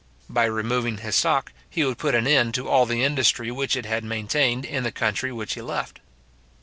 By removing his stock, he would put an end to all the industry which it had maintained in the country which he left.